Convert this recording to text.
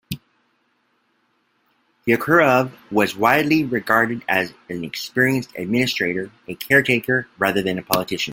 Yekhanurov was widely regarded as an experienced administrator, a caretaker rather than a politician.